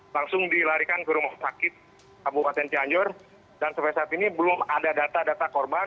langsung dilarikan ke rumah sakit kabupaten cianjur dan sampai saat ini belum ada data data korban